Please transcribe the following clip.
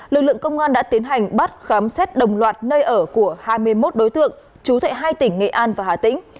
lực lượng công an đã tiến hành bắt khám xét đồng loạt nơi ở của hai mươi một đối tượng chú thệ hai tỉnh nghệ an và hà tĩnh